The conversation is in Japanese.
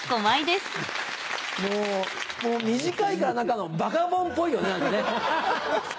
もう短いからバカボンっぽいよね何かね。